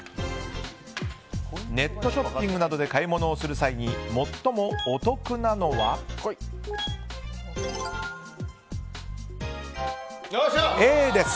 ネットショッピングなどで買い物をする際に最もお得なのはＡです。